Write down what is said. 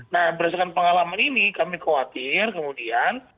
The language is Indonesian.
nah berdasarkan pengalaman ini kami khawatir kemudian